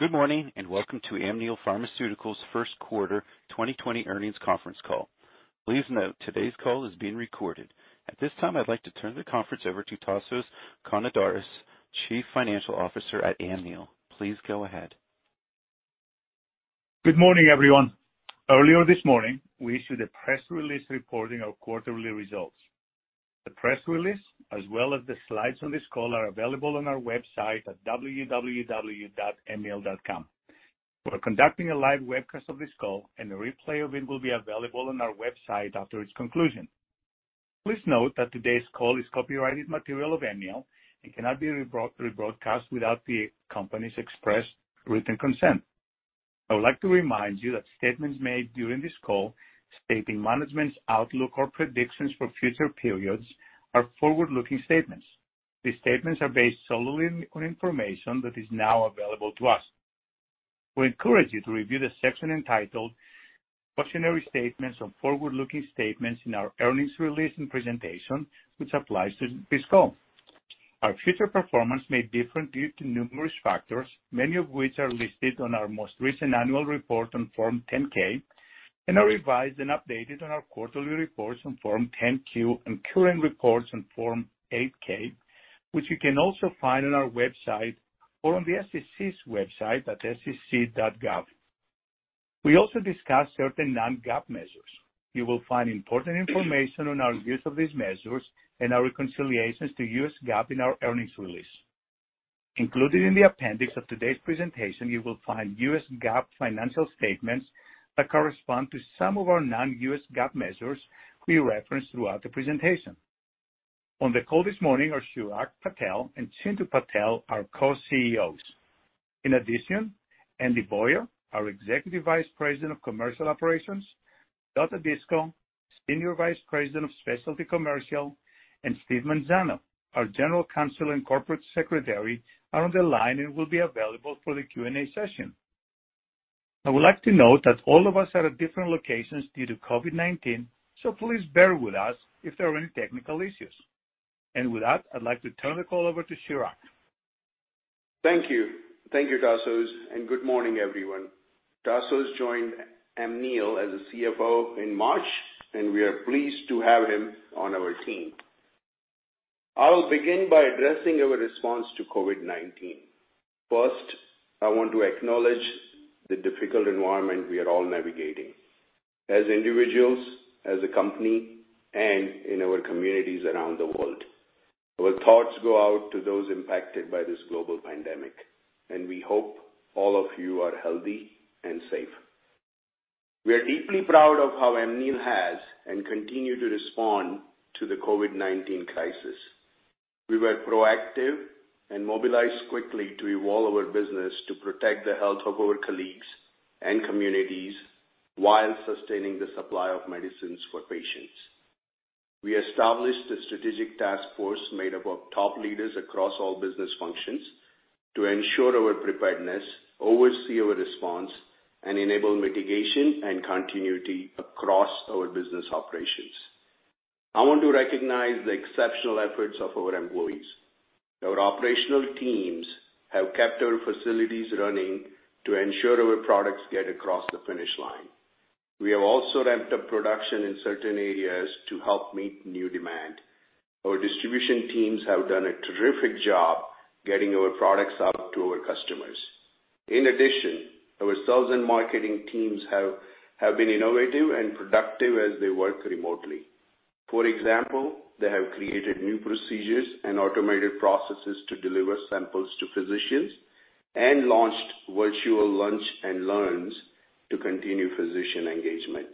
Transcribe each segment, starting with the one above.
Good morning, and welcome to Amneal Pharmaceuticals' first quarter 2020 earnings conference call. Please note today's call is being recorded. At this time, I'd like to turn the conference over to Tasos Konidaris, Chief Financial Officer at Amneal. Please go ahead. Good morning, everyone. Earlier this morning, we issued a press release reporting our quarterly results. The press release, as well as the slides on this call, are available on our website at www.amneal.com. We are conducting a live webcast of this call, and a replay of it will be available on our website after its conclusion. Please note that today's call is copyrighted material of Amneal and cannot be rebroadcast without the company's express written consent. I would like to remind you that statements made during this call stating management's outlook or predictions for future periods are forward-looking statements. These statements are based solely on information that is now available to us. We encourage you to review the section entitled "Cautionary Statements on Forward-Looking Statements" in our earnings release and presentation, which applies to this call. Our future performance may differ due to numerous factors, many of which are listed on our most recent annual report on Form 10-K and are revised and updated on our quarterly reports on Form 10-Q and current reports on Form 8-K, which you can also find on our website or on the SEC's website at sec.gov. We also discuss certain non-GAAP measures. You will find important information on our use of these measures and our reconciliations to U.S. GAAP in our earnings release. Included in the appendix of today's presentation, you will find U.S. GAAP financial statements that correspond to some of our non-U.S. GAAP measures we reference throughout the presentation. On the call this morning are Chirag Patel and Chintu Patel, our Co-CEOs. In addition, Andy Boyer, our Executive Vice President of Commercial Operations, Dotta Biscoe, Senior Vice President of Specialty Commercial, and Stephen Manzano, our General Counsel and Corporate Secretary, are on the line and will be available for the Q&A session. I would like to note that all of us are at different locations due to COVID-19, so please bear with us if there are any technical issues. With that, I'd like to turn the call over to Chirag. Thank you. Thank you, Tasos. Good morning, everyone. Tasos joined Amneal as a CFO in March, and we are pleased to have him on our team. I will begin by addressing our response to COVID-19. First, I want to acknowledge the difficult environment we are all navigating, as individuals, as a company, and in our communities around the world. Our thoughts go out to those impacted by this global pandemic, and we hope all of you are healthy and safe. We are deeply proud of how Amneal has and continue to respond to the COVID-19 crisis. We were proactive and mobilized quickly to evolve our business to protect the health of our colleagues and communities while sustaining the supply of medicines for patients. We established a strategic task force made up of top leaders across all business functions to ensure our preparedness, oversee our response, and enable mitigation and continuity across our business operations. I want to recognize the exceptional efforts of our employees. Our operational teams have kept our facilities running to ensure our products get across the finish line. We have also ramped up production in certain areas to help meet new demand. Our distribution teams have done a terrific job getting our products out to our customers. In addition, our sales and marketing teams have been innovative and productive as they work remotely. For example, they have created new procedures and automated processes to deliver samples to physicians and launched virtual lunch and learns to continue physician engagement.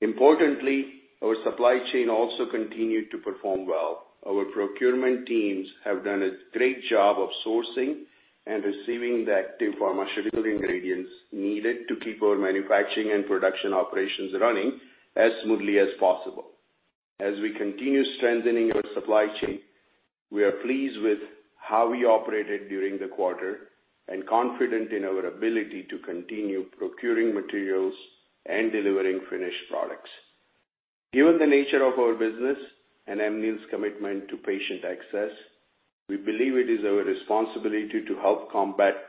Importantly, our supply chain also continued to perform well. Our procurement teams have done a great job of sourcing and receiving the active pharmaceutical ingredients needed to keep our manufacturing and production operations running as smoothly as possible. As we continue strengthening our supply chain, we are pleased with how we operated during the quarter and confident in our ability to continue procuring materials and delivering finished products. Given the nature of our business and Amneal's commitment to patient access, we believe it is our responsibility to help combat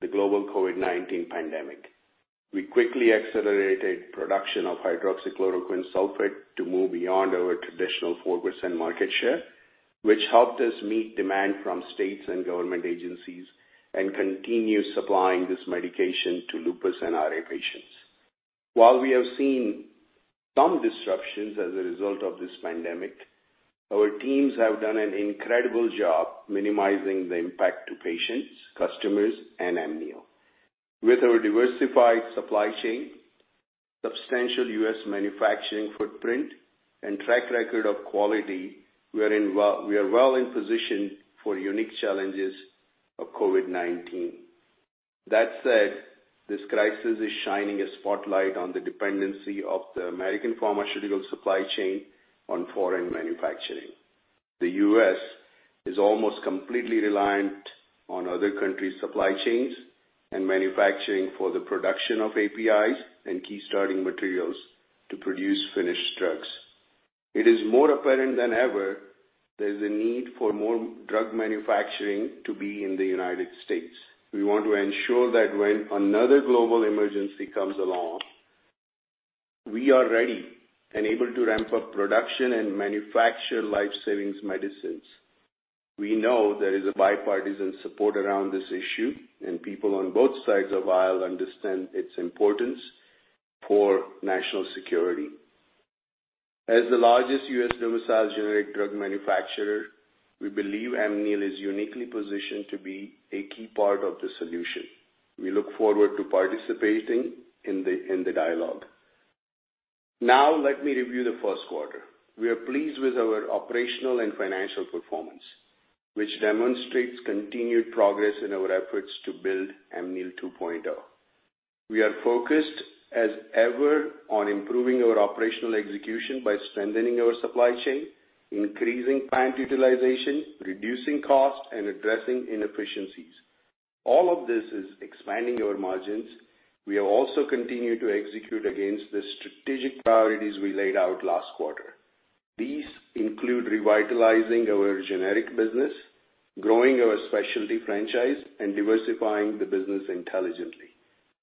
the global COVID-19 pandemic. We quickly accelerated production of hydroxychloroquine sulfate to move beyond our traditional 4% market share, which helped us meet demand from states and government agencies and continue supplying this medication to lupus and RA patients. While we have seen some disruptions as a result of this pandemic, our teams have done an incredible job minimizing the impact to patients, customers, and Amneal. With our diversified supply chain, substantial U.S. manufacturing footprint, and track record of quality, we are well in position for the unique challenges of COVID-19. That said, this crisis is shining a spotlight on the dependency of the American pharmaceutical supply chain on foreign manufacturing. The U.S. is almost completely reliant on other countries' supply chains and manufacturing for the production of APIs and key starting materials to produce finished drugs. It is more apparent than ever, there's a need for more drug manufacturing to be in the United States. We want to ensure that when another global emergency comes along, we are ready and able to ramp up production and manufacture life-savings medicines. We know there is a bipartisan support around this issue, and people on both sides of the aisle understand its importance for national security. As the largest U.S.-domiciled generic drug manufacturer, we believe Amneal is uniquely positioned to be a key part of the solution. We look forward to participating in the dialogue. Now, let me review the first quarter. We are pleased with our operational and financial performance, which demonstrates continued progress in our efforts to build Amneal 2.0. We are focused as ever on improving our operational execution by strengthening our supply chain, increasing plant utilization, reducing cost, and addressing inefficiencies. All of this is expanding our margins. We have also continued to execute against the strategic priorities we laid out last quarter. These include revitalizing our generic business, growing our specialty franchise, and diversifying the business intelligently.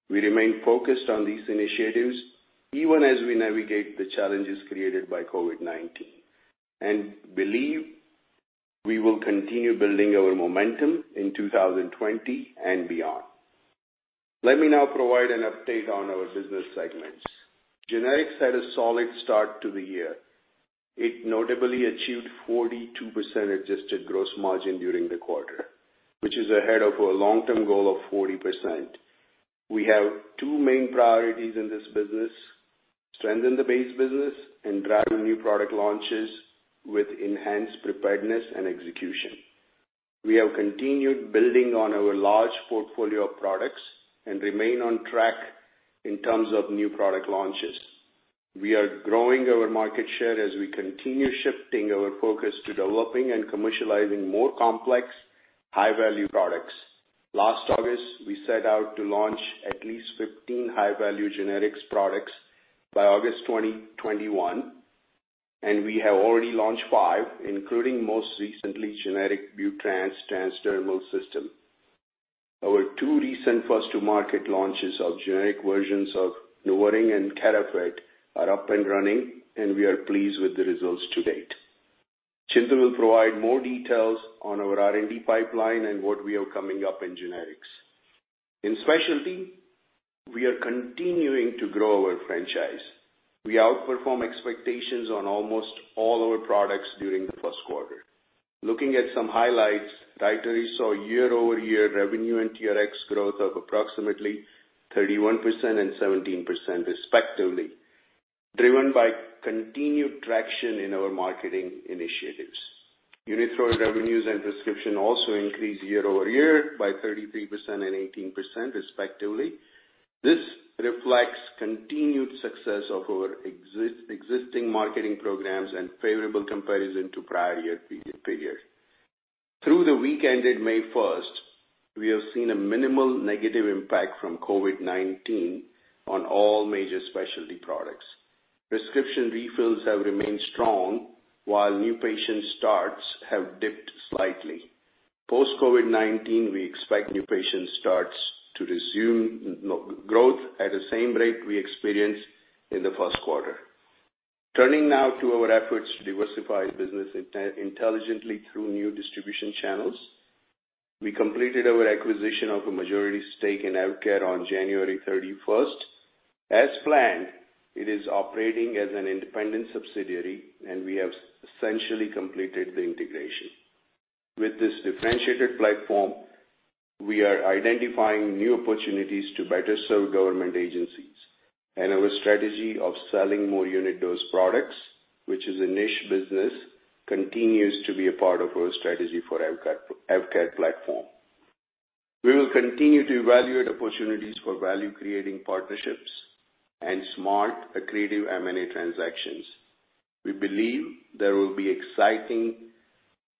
We remain focused on these initiatives even as we navigate the challenges created by COVID-19, and believe we will continue building our momentum in 2020 and beyond. Let me now provide an update on our business segments. Generics had a solid start to the year. It notably achieved 42% adjusted gross margin during the quarter, which is ahead of our long-term goal of 40%. We have two main priorities in this business: strengthen the base business and drive new product launches with enhanced preparedness and execution. We have continued building on our large portfolio of products and remain on track in terms of new product launches. We are growing our market share as we continue shifting our focus to developing and commercializing more complex, high-value products. Last August, we set out to launch at least 15 high-value generics products by August 2021, and we have already launched five, including most recently, generic Butrans transdermal system. Our two recent first-to-market launches of generic versions of NuvaRing and KeifeRx are up and running, and we are pleased with the results to date. Chintu will provide more details on our R&D pipeline and what we have coming up in generics. In specialty, we are continuing to grow our franchise. We outperformed expectations on almost all our products during the first quarter. Looking at some highlights, TriTerri saw year-over-year revenue and TRx growth of approximately 31% and 17% respectively, driven by continued traction in our marketing initiatives. UNITHROID revenues and prescription also increased year-over-year by 33% and 18%, respectively. This reflects continued success of our existing marketing programs and favorable comparison to prior year figures. Through the week ended May 1st, we have seen a minimal negative impact from COVID-19 on all major specialty products. Prescription refills have remained strong, while new patient starts have dipped slightly. Post-COVID-19, we expect new patient starts to resume growth at the same rate we experienced in the first quarter. Turning now to our efforts to diversify business intelligently through new distribution channels. We completed our acquisition of a majority stake in AvKARE on January 31st. As planned, it is operating as an independent subsidiary, and we have essentially completed the integration. With this differentiated platform, we are identifying new opportunities to better serve government agencies, and our strategy of selling more unit dose products, which is a niche business, continues to be a part of our strategy for AvKARE platform. We will continue to evaluate opportunities for value-creating partnerships and smart, accretive M&A transactions. We believe there will be exciting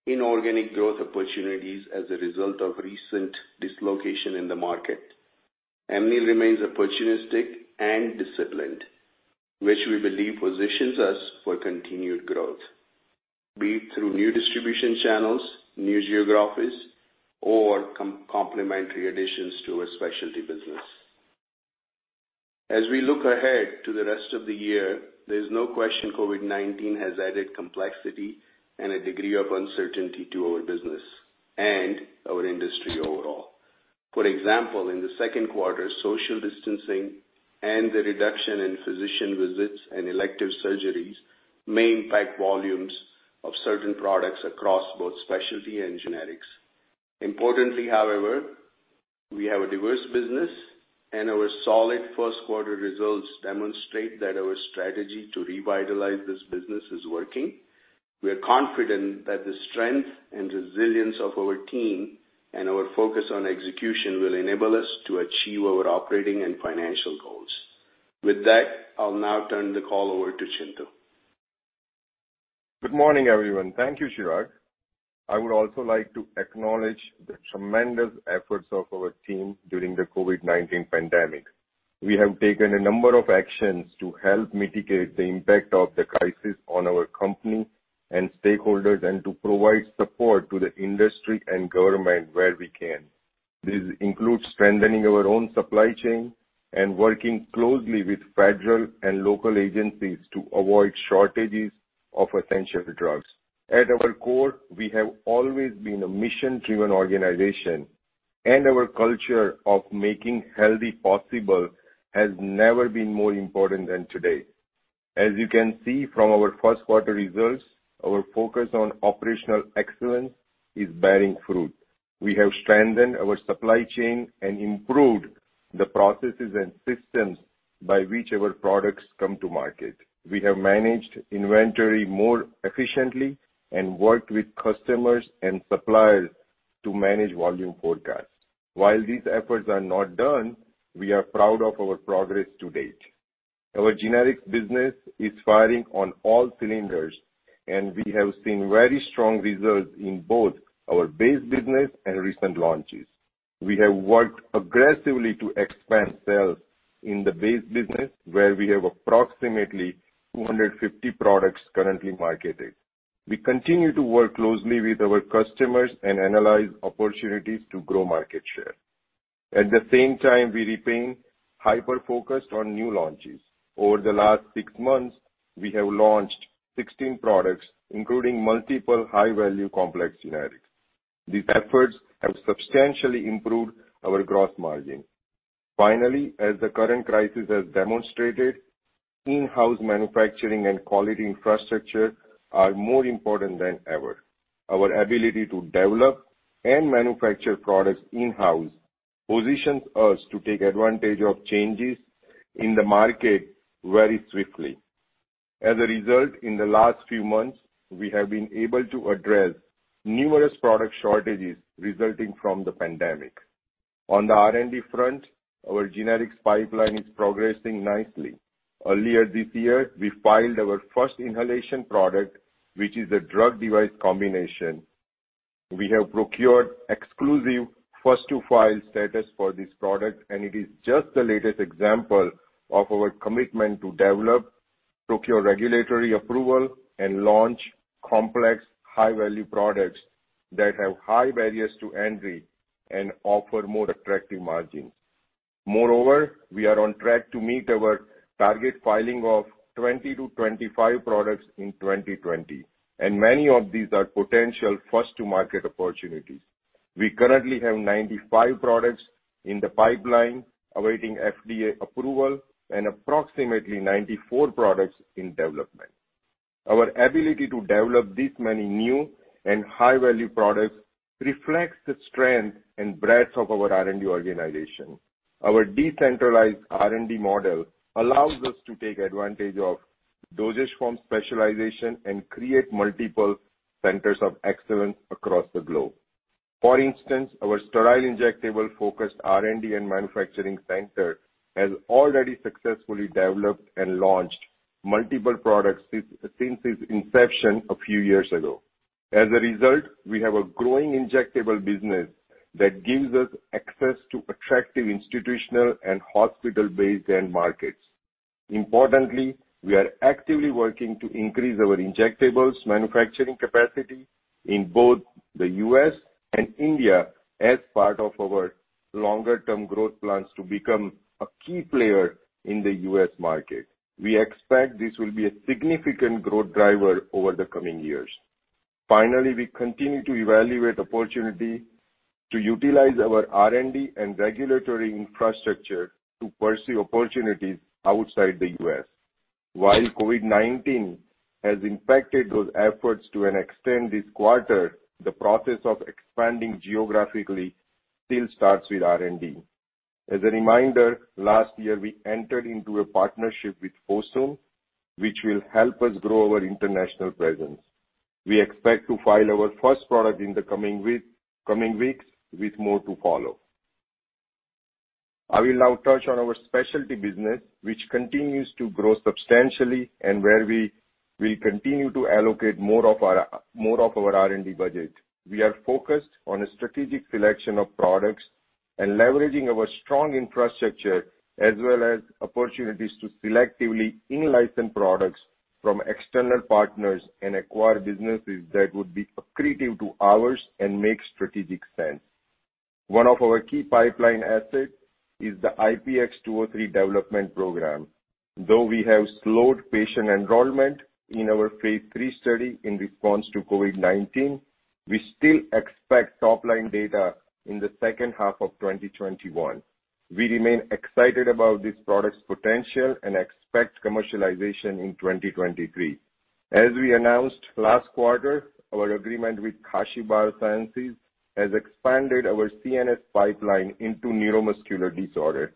inorganic growth opportunities as a result of recent dislocation in the market. Amneal remains opportunistic and disciplined, which we believe positions us for continued growth, be it through new distribution channels, new geographies, or complementary additions to our specialty business. As we look ahead to the rest of the year, there's no question COVID-19 has added complexity and a degree of uncertainty to our business and our industry overall. For example, in the second quarter, social distancing and the reduction in physician visits and elective surgeries may impact volumes of certain products across both specialty and generics. Importantly, however, we have a diverse business, and our solid first quarter results demonstrate that our strategy to revitalize this business is working. We are confident that the strength and resilience of our team and our focus on execution will enable us to achieve our operating and financial goals. With that, I'll now turn the call over to Chintu. Good morning, everyone. Thank you, Chirag. I would also like to acknowledge the tremendous efforts of our team during the COVID-19 pandemic. We have taken a number of actions to help mitigate the impact of the crisis on our company and stakeholders, and to provide support to the industry and government where we can. This includes strengthening our own supply chain and working closely with federal and local agencies to avoid shortages of essential drugs. At our core, we have always been a mission-driven organization, and our culture of making healthy possible has never been more important than today. As you can see from our first quarter results, our focus on operational excellence is bearing fruit. We have strengthened our supply chain and improved the processes and systems by which our products come to market. We have managed inventory more efficiently and worked with customers and suppliers to manage volume forecasts. While these efforts are not done, we are proud of our progress to date. Our generics business is firing on all cylinders, and we have seen very strong results in both our base business and recent launches. We have worked aggressively to expand sales in the base business, where we have approximately 250 products currently marketed. We continue to work closely with our customers and analyze opportunities to grow market share. At the same time, we remain hyper-focused on new launches. Over the last six months, we have launched 16 products, including multiple high-value complex generics. These efforts have substantially improved our gross margin. Finally, as the current crisis has demonstrated, in-house manufacturing and quality infrastructure are more important than ever. Our ability to develop and manufacture products in-house positions us to take advantage of changes in the market very swiftly. As a result, in the last few months, we have been able to address numerous product shortages resulting from the pandemic. On the R&D front, our generics pipeline is progressing nicely. Earlier this year, we filed our first inhalation product, which is a drug device combination. We have procured exclusive first-to-file status for this product, and it is just the latest example of our commitment to develop, procure regulatory approval, and launch complex, high-value products that have high barriers to entry and offer more attractive margins. Moreover, we are on track to meet our target filing of 20-25 products in 2020, and many of these are potential first-to-market opportunities. We currently have 95 products in the pipeline awaiting FDA approval and approximately 94 products in development. Our ability to develop this many new and high-value products reflects the strength and breadth of our R&D organization. Our decentralized R&D model allows us to take advantage of dosage form specialization and create multiple centers of excellence across the globe. For instance, our sterile injectable-focused R&D and manufacturing center has already successfully developed and launched multiple products since its inception a few years ago. As a result, we have a growing injectable business that gives us access to attractive institutional and hospital-based end markets. Importantly, we are actively working to increase our injectables manufacturing capacity in both the U.S. and India as part of our longer-term growth plans to become a key player in the U.S. market. We expect this will be a significant growth driver over the coming years. Finally, we continue to evaluate opportunity to utilize our R&D and regulatory infrastructure to pursue opportunities outside the U.S. While COVID-19 has impacted those efforts to an extent this quarter, the process of expanding geographically still starts with R&D. As a reminder, last year, we entered into a partnership with Fosun, which will help us grow our international presence. We expect to file our first product in the coming weeks, with more to follow. I will now touch on our specialty business, which continues to grow substantially and where we will continue to allocate more of our R&D budget. We are focused on a strategic selection of products and leveraging our strong infrastructure, as well as opportunities to selectively in-license products from external partners and acquire businesses that would be accretive to ours and make strategic sense. One of our key pipeline assets is the IPX203 development program. Though we have slowed patient enrollment in our phase III study in response to COVID-19, we still expect top-line data in the second half of 2021. We remain excited about this product's potential and expect commercialization in 2023. As we announced last quarter, our agreement with Kashiv BioSciences has expanded our CNS pipeline into neuromuscular disorder.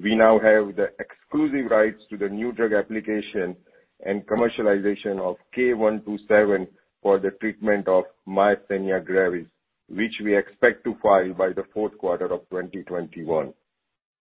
We now have the exclusive rights to the new drug application and commercialization of K127 for the treatment of myasthenia gravis, which we expect to file by the fourth quarter of 2021.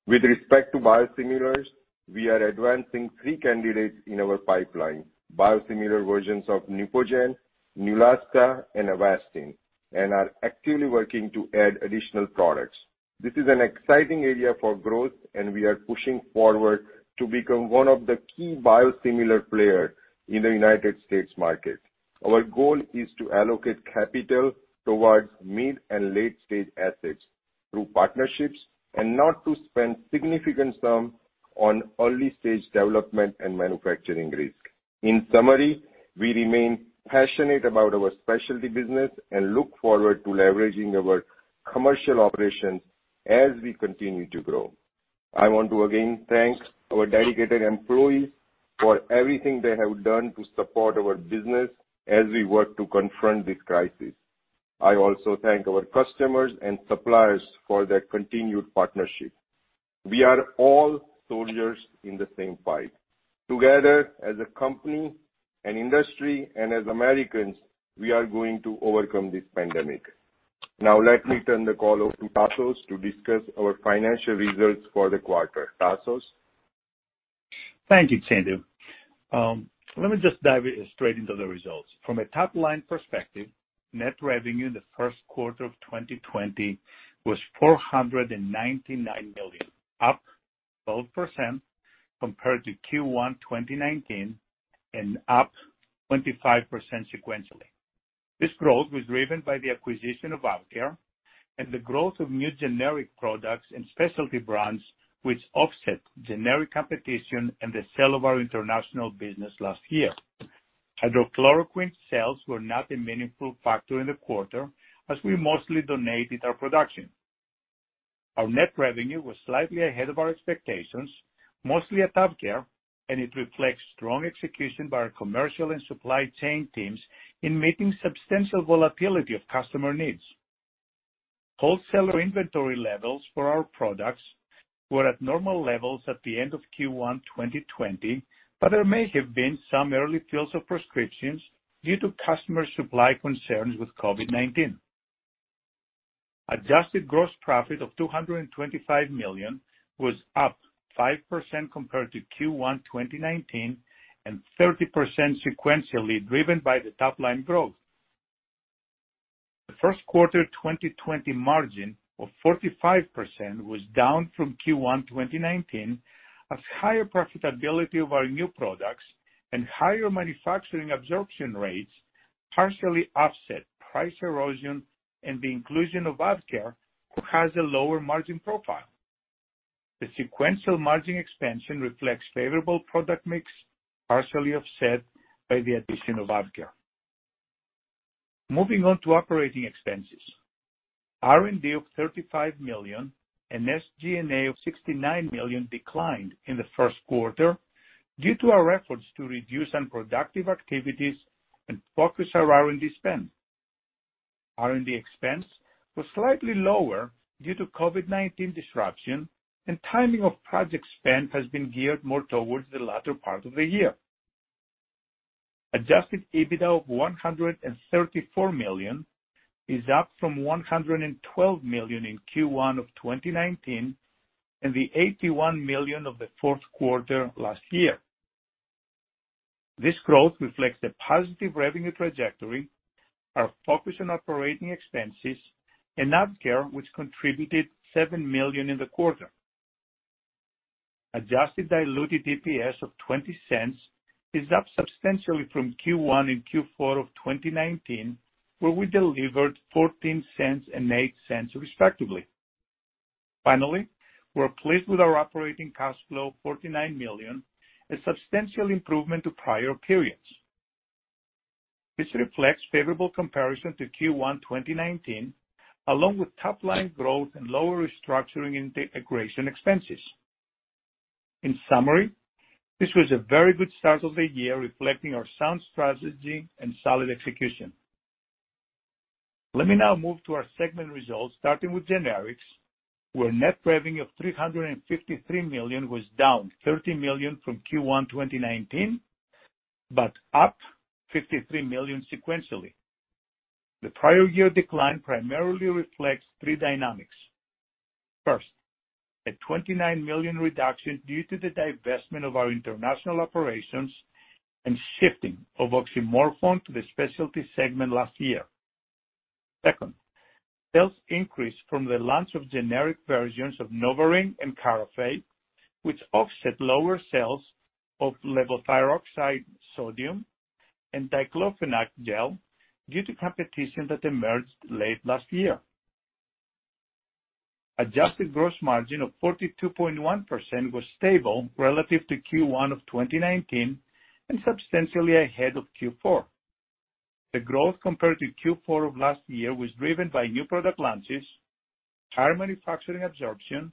With respect to biosimilars, we are advancing three candidates in our pipeline, biosimilar versions of Neupogen, Neulasta, and Avastin, and are actively working to add additional products. This is an exciting area for growth. We are pushing forward to become one of the key biosimilar players in the U.S. market. Our goal is to allocate capital towards mid- and late-stage assets through partnerships, and not to spend significant sum on early-stage development and manufacturing risk. In summary, we remain passionate about our specialty business and look forward to leveraging our commercial operations as we continue to grow. I want to again thank our dedicated employees for everything they have done to support our business as we work to confront this crisis. I also thank our customers and suppliers for their continued partnership. We are all soldiers in the same fight. Together, as a company, an industry, and as Americans, we are going to overcome this pandemic. Now let me turn the call over to Tasos to discuss our financial results for the quarter. Tasos? Thank you, Tasos. Let me just dive straight into the results. From a top-line perspective, net revenue in the first quarter of 2020 was $499 million, up 12% compared to Q1 2019, and up 25% sequentially. This growth was driven by the acquisition of AvKARE and the growth of new generic products and specialty brands, which offset generic competition and the sale of our international business last year. Hydroxychloroquine sales were not a meaningful factor in the quarter, as we mostly donated our production. Our net revenue was slightly ahead of our expectations, mostly at AvKARE, and it reflects strong execution by our commercial and supply chain teams in meeting substantial volatility of customer needs. Wholesaler inventory levels for our products were at normal levels at the end of Q1 2020, but there may have been some early fills of prescriptions due to customer supply concerns with COVID-19. Adjusted gross profit of $225 million was up 5% compared to Q1 2019 and 30% sequentially, driven by the top-line growth. The first quarter 2020 margin of 45% was down from Q1 2019, as higher profitability of our new products and higher manufacturing absorption rates partially offset price erosion and the inclusion of AvKARE, who has a lower margin profile. The sequential margin expansion reflects favorable product mix, partially offset by the addition of AvKARE. Moving on to operating expenses. R&D of $35 million and SG&A of $69 million declined in the first quarter due to our efforts to reduce unproductive activities and focus our R&D spend. R&D expense was slightly lower due to COVID-19 disruption, and timing of project spend has been geared more towards the latter part of the year. Adjusted EBITDA of $134 million is up from $112 million in Q1 of 2019 and the $81 million of the fourth quarter last year. This growth reflects the positive revenue trajectory, our focus on operating expenses, and AvKARE, which contributed $7 million in the quarter. Adjusted diluted EPS of $0.20 is up substantially from Q1 and Q4 of 2019, where we delivered $0.14 and $0.08 respectively. Finally, we're pleased with our operating cash flow, $49 million, a substantial improvement to prior periods. This reflects favorable comparison to Q1 2019, along with top-line growth and lower restructuring integration expenses. In summary, this was a very good start of the year, reflecting our sound strategy and solid execution. Let me now move to our segment results, starting with generics, where net revenue of $353 million was down $30 million from Q1 2019, but up $53 million sequentially. The prior year decline primarily reflects three dynamics. First, a $29 million reduction due to the divestment of our international operations and shifting of oxymorphone to the Specialty Segment last year. Second, sales increased from the launch of generic versions of NuvaRing and Carafate, which offset lower sales of levothyroxine sodium and diclofenac gel due to competition that emerged late last year. Adjusted gross margin of 42.1% was stable relative to Q1 of 2019 and substantially ahead of Q4. The growth compared to Q4 of last year was driven by new product launches, higher manufacturing absorption,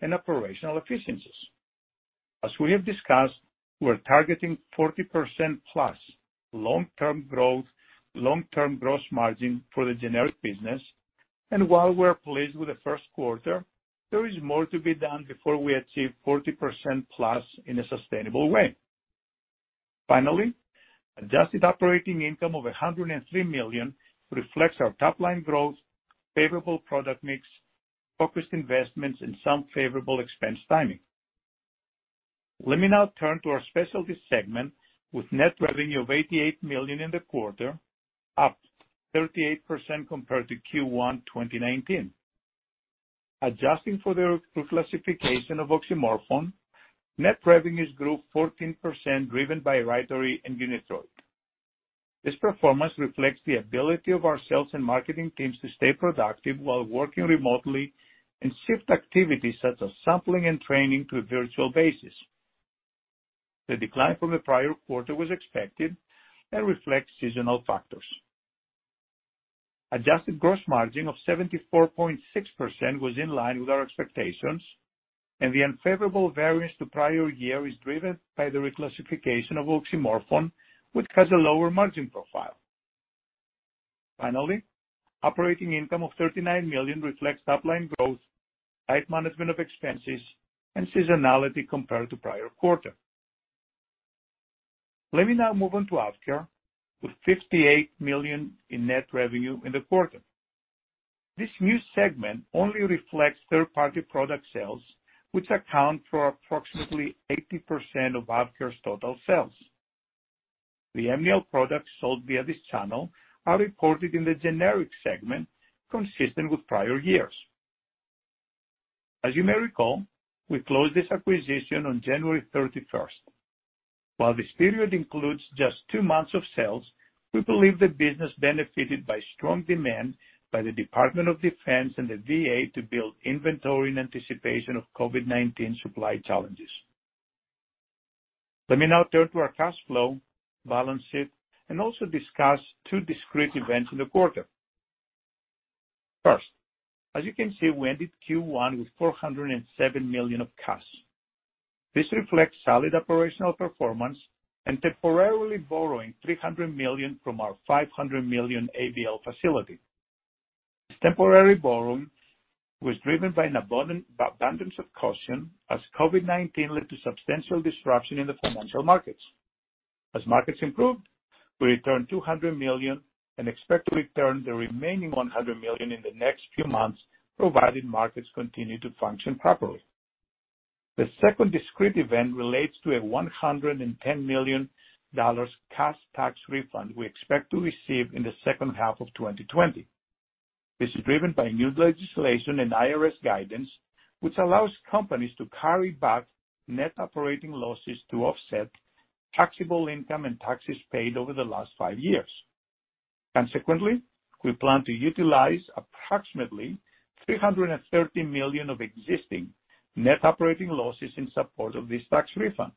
and operational efficiencies. As we have discussed, we're targeting 40%+ long-term gross margin for the generic business. While we're pleased with the first quarter, there is more to be done before we achieve 40%+ in a sustainable way. Finally, adjusted operating income of $103 million reflects our top-line growth, favorable product mix, focused investments, and some favorable expense timing. Let me now turn to our specialty segment with net revenue of $88 million in the quarter, up 38% compared to Q1 2019. Adjusting for the reclassification of oxymorphone, net revenues grew 14%, driven by RYTARY and UNITHROID. This performance reflects the ability of our sales and marketing teams to stay productive while working remotely and shift activities such as sampling and training to a virtual basis. The decline from the prior quarter was expected and reflects seasonal factors. Adjusted gross margin of 74.6% was in line with our expectations, and the unfavorable variance to prior year is driven by the reclassification of oxymorphone, which has a lower margin profile. Operating income of $39 million reflects top-line growth, tight management of expenses, and seasonality compared to prior quarter. Let me now move on to AvKARE, with $58 million in net revenue in the quarter. This new segment only reflects third-party product sales, which account for approximately 80% of AvKARE's total sales. The Amneal products sold via this channel are reported in the generic segment, consistent with prior years. As you may recall, we closed this acquisition on January 31st. While this period includes just two months of sales, we believe the business benefited by strong demand by the Department of Defense and the VA to build inventory in anticipation of COVID-19 supply challenges. Let me now turn to our cash flow balance sheet and also discuss two discrete events in the quarter. First, as you can see, we ended Q1 with $407 million of cash. This reflects solid operational performance and temporarily borrowing $300 million from our $500 million ABL facility. This temporary borrowing was driven by an abundance of caution as COVID-19 led to substantial disruption in the financial markets. As markets improved, we returned $200 million and expect to return the remaining $100 million in the next few months, provided markets continue to function properly. The second discrete event relates to a $110 million cash tax refund we expect to receive in the second half of 2020. This is driven by new legislation and IRS guidance, which allows companies to carry back net operating losses to offset taxable income and taxes paid over the last five years. Consequently, we plan to utilize approximately $330 million of existing net operating losses in support of this tax refund.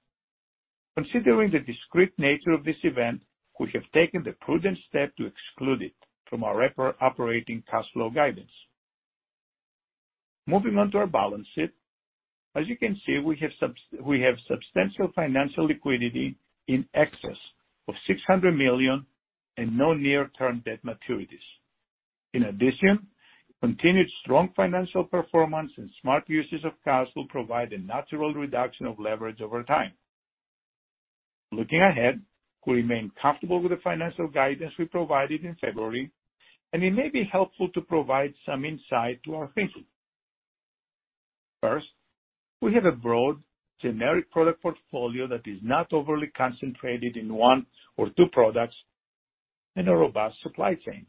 Considering the discrete nature of this event, we have taken the prudent step to exclude it from our operating cash flow guidance. Moving on to our balance sheet. As you can see, we have substantial financial liquidity in excess of $600 million and no near-term debt maturities. In addition, continued strong financial performance and smart uses of cash will provide a natural reduction of leverage over time. Looking ahead, we remain comfortable with the financial guidance we provided in February, and it may be helpful to provide some insight to our thinking. First, we have a broad generic product portfolio that is not overly concentrated in one or two products, and a robust supply chain.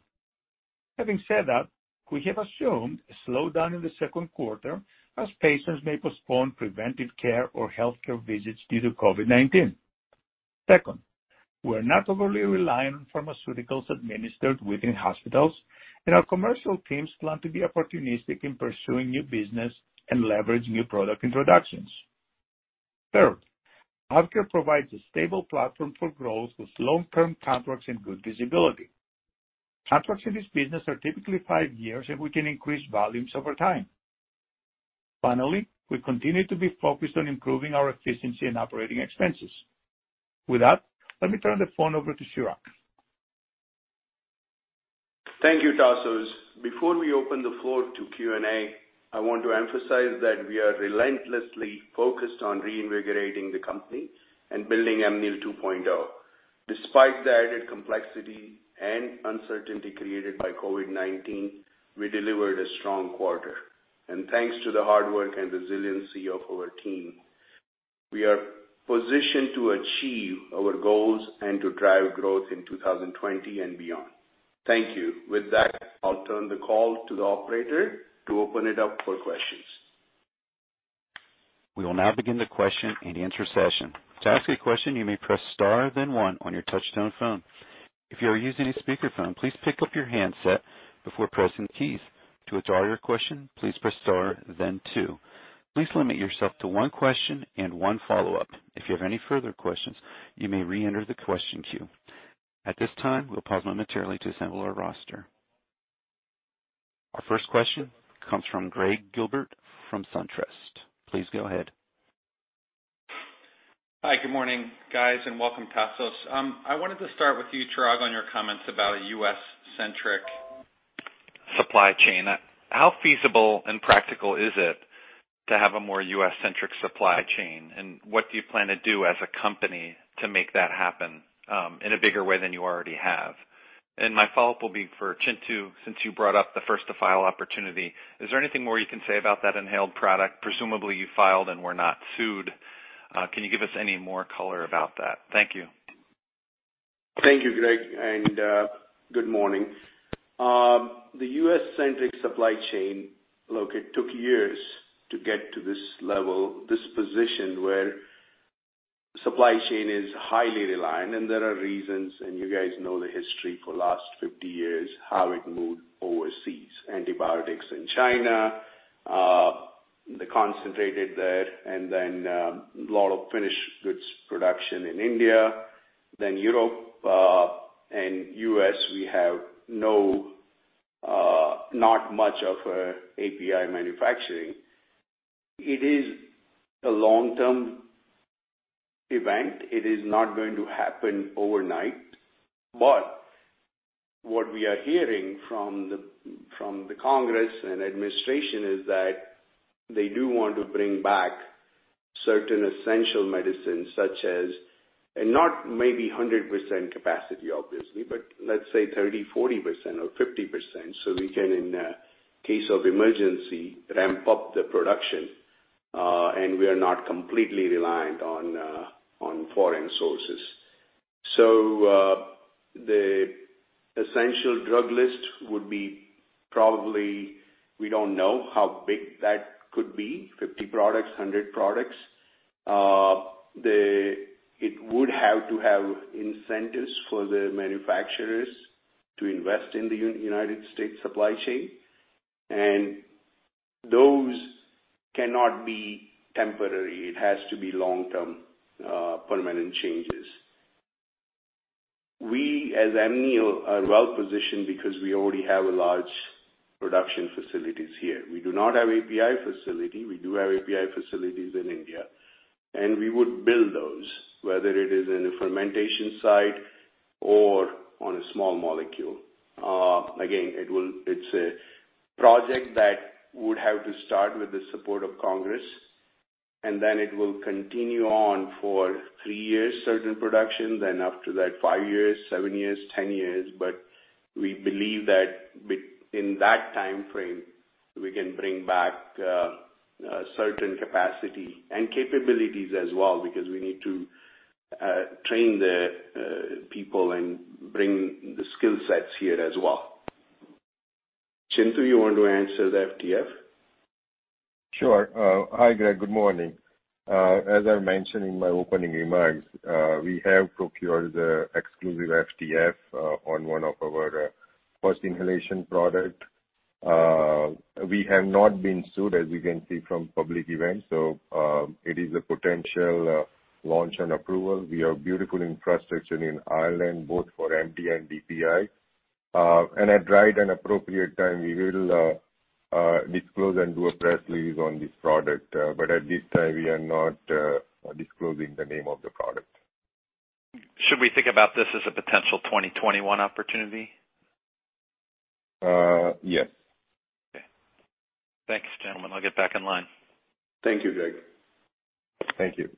Having said that, we have assumed a slowdown in the second quarter as patients may postpone preventive care or healthcare visits due to COVID-19. Second, we're not overly reliant on pharmaceuticals administered within hospitals, and our commercial teams plan to be opportunistic in pursuing new business and leverage new product introductions. Third, AvKARE provides a stable platform for growth with long-term contracts and good visibility. Contracts in this business are typically five years, and we can increase volumes over time. Finally, we continue to be focused on improving our efficiency and operating expenses. With that, let me turn the phone over to Chirag. Thank you, Tasos. Before we open the floor to Q&A, I want to emphasize that we are relentlessly focused on reinvigorating the company and building Amneal 2.0. Despite the added complexity and uncertainty created by COVID-19, we delivered a strong quarter. Thanks to the hard work and resiliency of our team, we are positioned to achieve our goals and to drive growth in 2020 and beyond. Thank you. With that, I'll turn the call to the operator to open it up for questions. We will now begin the question-and-answer session. To ask a question, you may press star then one on your touch-tone phone. If you are using a speakerphone, please pick up your handset before pressing keys. To withdraw your question, please press star then two. Please limit yourself to one question and one follow-up. If you have any further questions, you may re-enter the question queue. At this time, we'll pause momentarily to assemble our roster. Our first question comes from Greg Gilbert from SunTrust. Please go ahead. Hi. Good morning, guys, and welcome, Tasos. I wanted to start with you, Chirag, on your comments about a U.S.-centric supply chain. How feasible and practical is it to have a more U.S.-centric supply chain? What do you plan to do as a company to make that happen, in a bigger way than you already have? My follow-up will be for Chintu, since you brought up the first-to-file opportunity. Is there anything more you can say about that inhaled product? Presumably, you filed and were not sued. Can you give us any more color about that? Thank you. Thank you, Greg, and good morning. The U.S.-centric supply chain look, it took years to get to this level, this position where supply chain is highly reliant, and there are reasons, and you guys know the history for the last 50 years, how it moved overseas. Antibiotics in China, they concentrated there, and then a lot of finished goods production in India, then Europe, and U.S., we have not much of API manufacturing. It is a long-term event. It is not going to happen overnight. What we are hearing from the Congress and administration is that they do want to bring back certain essential medicines, such as, and not maybe 100% capacity obviously, but let's say 30%, 40% or 50%, so we can, in case of emergency, ramp up the production, and we are not completely reliant on foreign sources. The essential drug list would be probably, we don't know how big that could be, 50 products, 100 products. It would have to have incentives for the manufacturers to invest in the United States supply chain. Those cannot be temporary. It has to be long-term, permanent changes. We, as Amneal, are well-positioned because we already have large production facilities here. We do not have API facility. We do have API facilities in India, and we would build those, whether it is in a fermentation site or on a small molecule. It's a project that would have to start with the support of Congress, and then it will continue on for three years, certain production, then after that, five years, seven years, 10 years. We believe that within that timeframe, we can bring back certain capacity and capabilities as well, because we need to train the people and bring the skill sets here as well. Chintu, you want to answer the FTF? Sure. Hi Greg. Good morning. As I mentioned in my opening remarks, we have procured the exclusive FTF, on one of our first inhalation product. We have not been sued, as you can see from public events, so, it is a potential launch and approval. We have beautiful infrastructure in Ireland, both for MDI and DPI. At right and appropriate time, we will disclose and do a press release on this product. At this time, we are not disclosing the name of the product. Should we think about this as a potential 2021 opportunity? Yes. Okay. Thanks, gentlemen. I'll get back in line. Thank you, Greg. Thank you.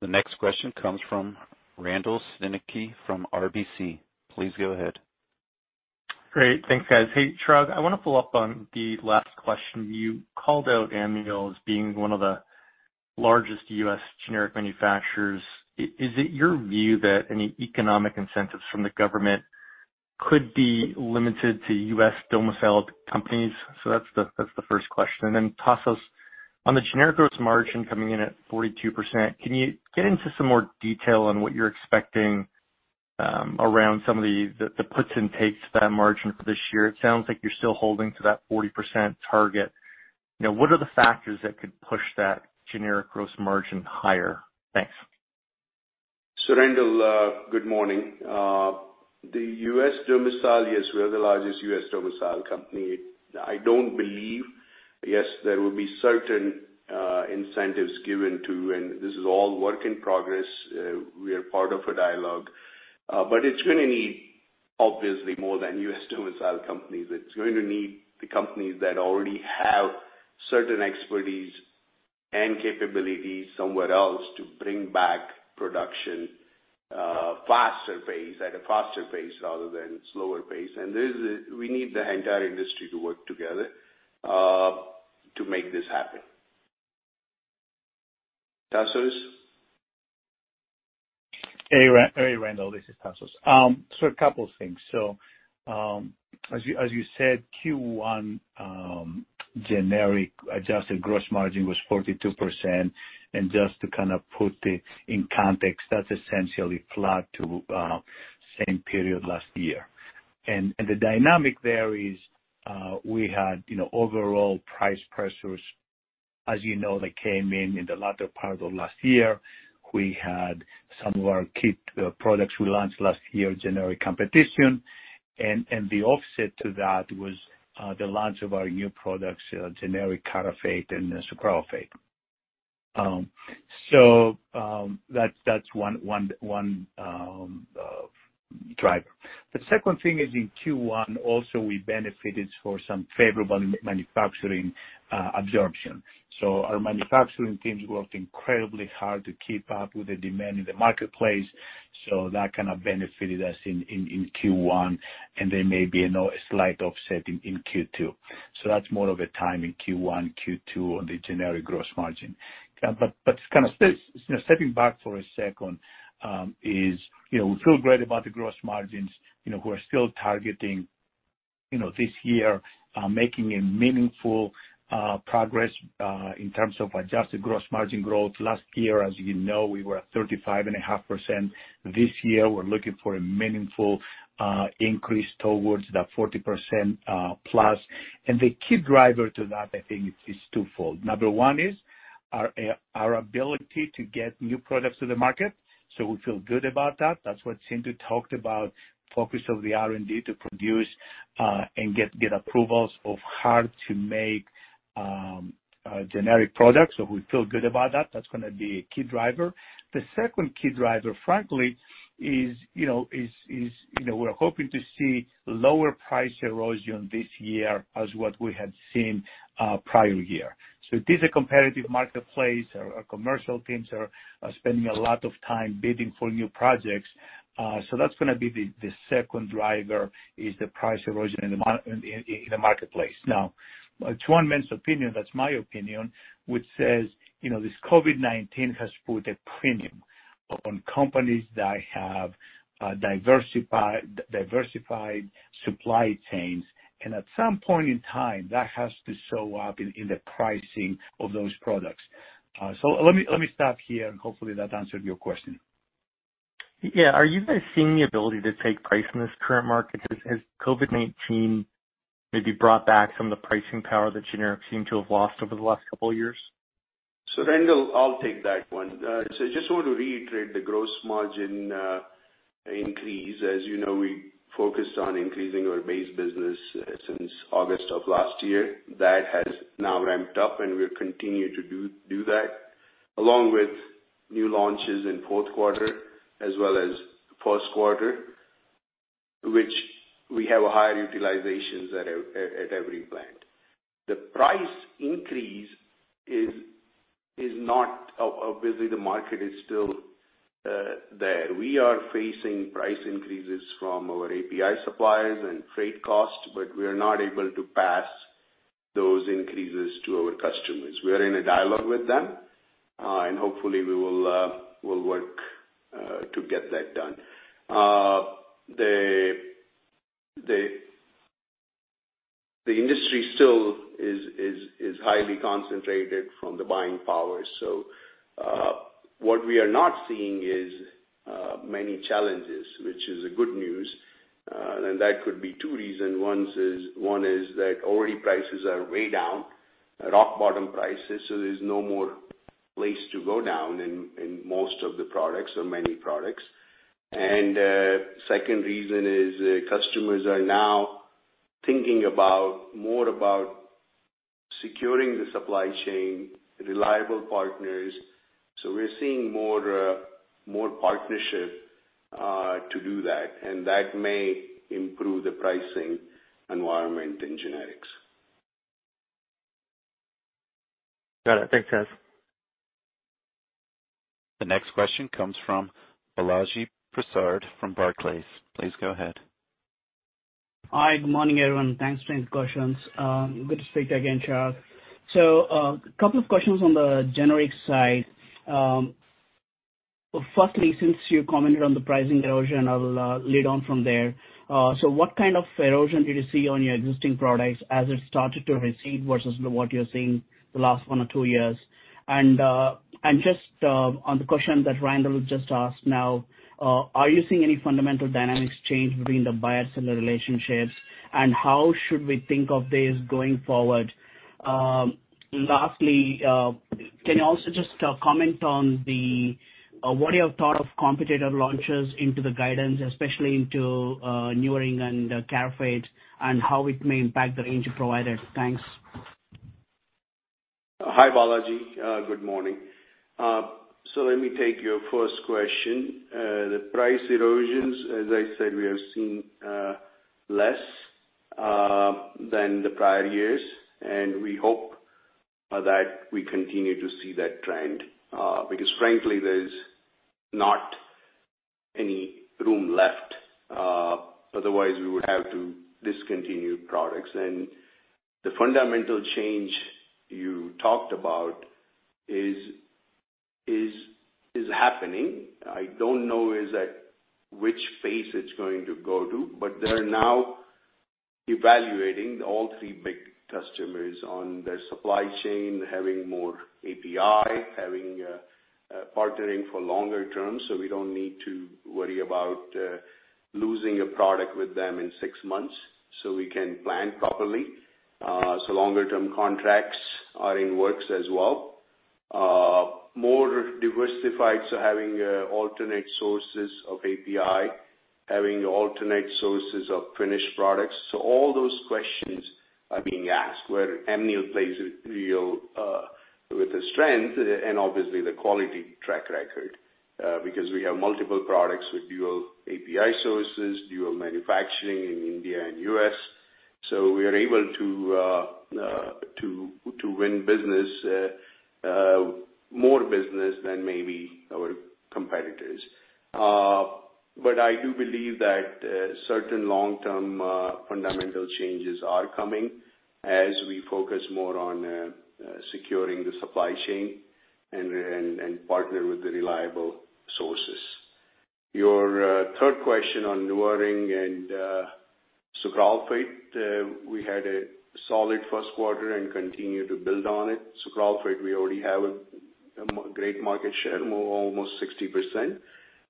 The next question comes from Randall Stanicky from RBC. Please go ahead. Great. Thanks, guys. Hey, Chirag, I want to follow up on the last question. You called out Amneal as being one of the largest U.S. generic manufacturers. Is it your view that any economic incentives from the government could be limited to U.S. domiciled companies? That's the first question. Then Tasos, on the generic gross margin coming in at 42%, can you get into some more detail on what you're expecting around some of the puts and takes of that margin for this year? It sounds like you're still holding to that 40% target. What are the factors that could push that generic gross margin higher? Thanks. Randall, good morning. The U.S. domicile, yes, we are the largest U.S. domicile company. I don't believe Yes, there will be certain incentives given to, and this is all work in progress, we are part of a dialogue. It's going to need obviously more than U.S. domicile companies. It's going to need the companies that already have certain expertise and capabilities somewhere else to bring back production at a faster pace rather than slower pace. We need the entire industry to work together to make this happen. Tasos? Hey, Randall. This is Tasos. A couple of things. As you said, Q1 generic adjusted gross margin was 42%. Just to kind of put it in context, that's essentially flat to same period last year. The dynamic there is, we had overall price pressures. As you know, they came in in the latter part of last year. We had some of our key products we launched last year, generic competition. The offset to that was the launch of our new products, generic Carafate and sucralfate. That's one driver. The second thing is in Q1 also, we benefited for some favorable manufacturing absorption. Our manufacturing teams worked incredibly hard to keep up with the demand in the marketplace. That kind of benefited us in Q1, and there may be a slight offset in Q2. That's more of a timing, Q1, Q2 on the generic gross margin. Stepping back for a second is, we feel great about the gross margins. We're still targeting this year, making a meaningful progress in terms of adjusted gross margin growth. Last year, as you know, we were at 35.5%. This year, we're looking for a meaningful increase towards that 40%+. The key driver to that, I think, is twofold. Number one is our ability to get new products to the market. We feel good about that. That's what Chintu talked about, focus of the R&D to produce, and get approvals of hard-to-make generic products. We feel good about that. That's going to be a key driver. The second key driver, frankly, is we're hoping to see lower price erosion this year as what we had seen prior year. It is a competitive marketplace. Our commercial teams are spending a lot of time bidding for new projects. That's going to be the second driver, is the price erosion in the marketplace. It's one man's opinion, that's my opinion, which says this COVID-19 has put a premium on companies that have diversified supply chains. At some point in time, that has to show up in the pricing of those products. Let me stop here, and hopefully, that answered your question. Yeah. Are you guys seeing the ability to take price in this current market? Has COVID-19 maybe brought back some of the pricing power that generics seem to have lost over the last couple of years? Randall, I'll take that one. Just want to reiterate the gross margin increase. As you know, we focused on increasing our base business since August of last year. That has now ramped up, and we'll continue to do that, along with new launches in fourth quarter as well as first quarter, which we have a higher utilizations at every plant. The price increase is not obviously, the market is still there. We are facing price increases from our API suppliers and freight costs, we are not able to pass those increases to our customers. We are in a dialogue with them, hopefully, we will work to get that done. The industry still is highly concentrated from the buying power. What we are not seeing is many challenges, which is a good news. That could be two reasons. One is that already prices are way down, rock bottom prices. There's no more place to go down in most of the products or many products. Second reason is customers are now thinking more about securing the supply chain, reliable partners. We're seeing more partnership to do that, and that may improve the pricing environment in generics. Got it. Thanks, guys. The next question comes from Balaji Prasad from Barclays. Please go ahead. Hi, good morning, everyone. Thanks for taking questions. Good to speak again, Chirag. A couple of questions on the generic side. Firstly, since you commented on the pricing erosion, I will lead on from there. What kind of erosion did you see on your existing products as it started to recede versus what you're seeing the last one or two years? Just on the question that Randall just asked now, are you seeing any fundamental dynamics change between the buyers and the relationships, and how should we think of this going forward? Lastly, can you also just comment on what you have thought of competitor launches into the guidance, especially into NuvaRing and Carafate, and how it may impact the range of providers? Thanks. Hi, Balaji. Good morning. Let me take your first question. The price erosions, as I said, we are seeing less than the prior years, and we hope that we continue to see that trend, because frankly, there's not any room left. Otherwise, we would have to discontinue products. The fundamental change you talked about is happening. I don't know which phase it's going to go to, but they're now evaluating all three big customers on their supply chain, having more API, having partnering for longer term, so we don't need to worry about losing a product with them in six months, so we can plan properly. Longer-term contracts are in works as well. More diversified, so having alternate sources of API. Having alternate sources of finished products. All those questions are being asked, where Amneal plays with a strength and obviously the quality track record, because we have multiple products with dual API sources, dual manufacturing in India and U.S. We are able to win more business than maybe our competitors. I do believe that certain long-term fundamental changes are coming as we focus more on securing the supply chain and partner with the reliable sources. Your third question on NuvaRing and sucralfate, we had a solid first quarter and continue to build on it. Sucralfate, we already have a great market share, almost 60%.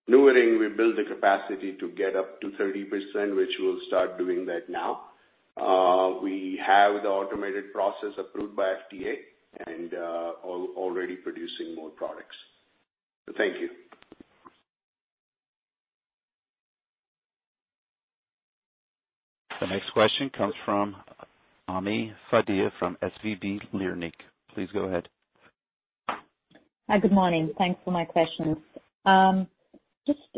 NuvaRing, we build the capacity to get up to 30%, which we'll start doing that now. We have the automated process approved by FDA, and are already producing more products. Thank you. The next question comes from Ami Fadia from SVB Leerink. Please go ahead. Hi, good morning. Thanks for my questions.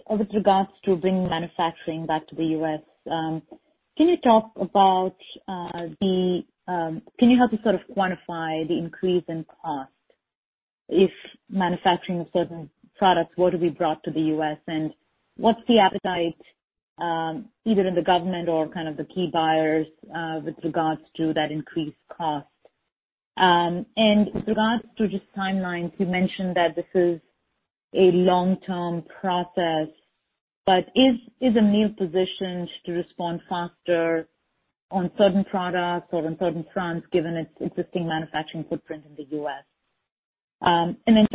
With regards to bringing manufacturing back to the U.S., can you help to sort of quantify the increase in cost if manufacturing of certain products were to be brought to the U.S.? What's the appetite, either in the government or kind of the key buyers, with regards to that increased cost? With regards to just timelines, you mentioned that this is a long-term process, is Amneal positioned to respond faster on certain products or on certain fronts given its existing manufacturing footprint in the U.S.?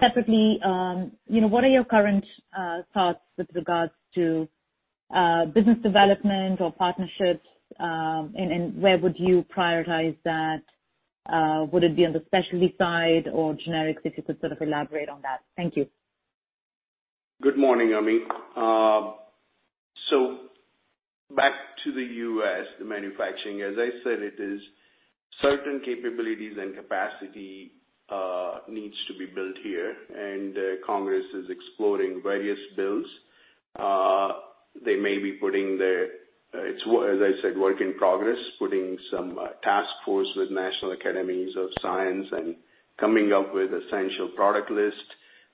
Separately, what are your current thoughts with regards to business development or partnerships, and where would you prioritize that? Would it be on the specialty side or generics? If you could sort of elaborate on that. Thank you. Good morning, Ami. Back to the U.S., the manufacturing, as I said, it is certain capabilities and capacity needs to be built here, and Congress is exploring various bills. They may be putting their, as I said, work in progress, putting some task force with National Academies of Sciences and coming up with essential product list.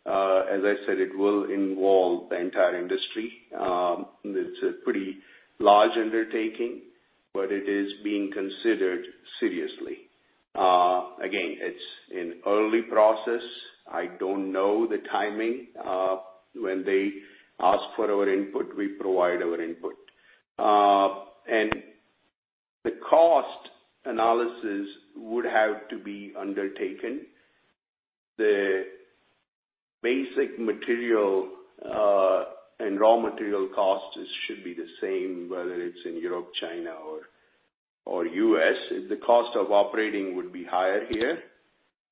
As I said, it will involve the entire industry. It's a pretty large undertaking, but it is being considered seriously. Again, it's in early process. I don't know the timing. When they ask for our input, we provide our input. The cost analysis would have to be undertaken. The basic material and raw material cost should be the same, whether it's in Europe, China or U.S. The cost of operating would be higher here,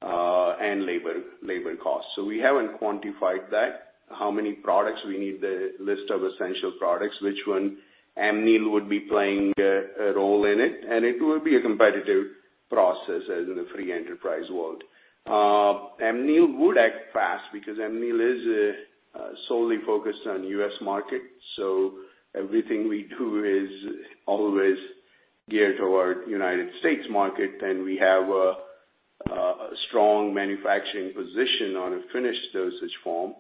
and labor costs. We haven't quantified that, how many products we need, the list of essential products, which one Amneal would be playing a role in it, and it will be a competitive process, as in a free enterprise world. Amneal would act fast because Amneal is solely focused on U.S. market, so everything we do is always geared toward U.S. market, and we have a strong manufacturing position on a finished dosage form.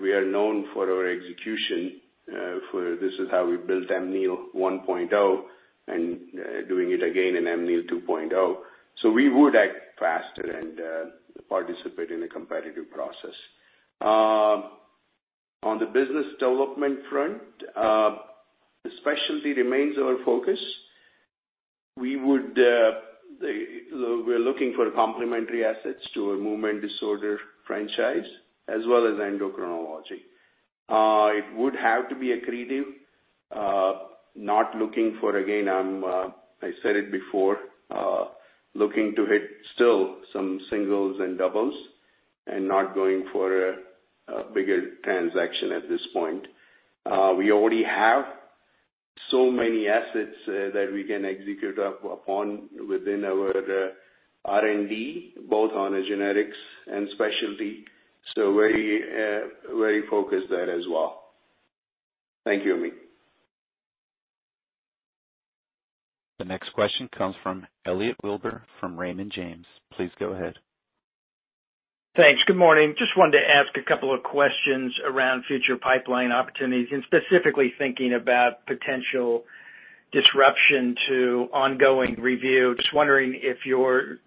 We are known for our execution, this is how we built Amneal 1.0 and doing it again in Amneal 2.0. We would act faster and participate in a competitive process. On the business development front, the specialty remains our focus. We're looking for complementary assets to our movement disorder franchise as well as endocrinology. It would have to be accretive. Not looking for, again, I said it before, looking to hit still some singles and doubles and not going for a bigger transaction at this point. We already have so many assets that we can execute upon within our R&D, both on the generics and specialty, so very focused there as well. Thank you, Ami. The next question comes from Elliot Wilbur from Raymond James. Please go ahead. Thanks. Good morning. Just wanted to ask a couple of questions around future pipeline opportunities, and specifically thinking about potential disruption to ongoing review. Just wondering if you're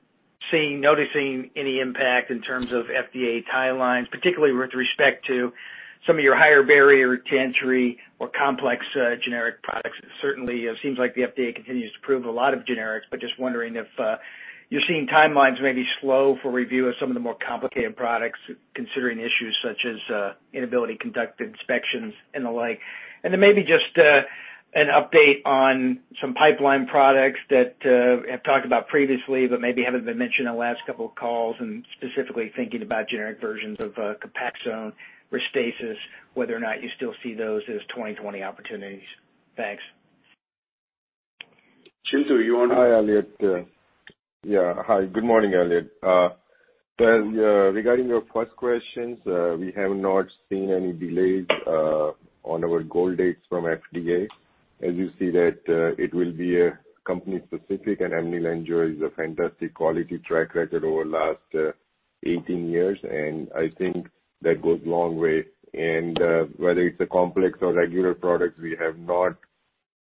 noticing any impact in terms of FDA timelines, particularly with respect to some of your higher barrier to entry or complex generic products. Certainly, it seems like the FDA continues to approve a lot of generics, but just wondering if you're seeing timelines maybe slow for review of some of the more complicated products, considering issues such as inability to conduct inspections and the like. Maybe just. An update on some pipeline products that have talked about previously but maybe haven't been mentioned in the last couple of calls, specifically thinking about generic versions of COPAXONE, RESTASIS, whether or not you still see those as 2020 opportunities. Thanks. Chintu. Do you wanna Hi, Elliot. Yeah, hi. Good morning, Elliot. Regarding your first questions, we have not seen any delays on our goal dates from FDA. As you see that it will be company specific, and Amneal enjoys a fantastic quality track record over last 18 years, and I think that goes a long way. Whether it's a complex or regular product, we have not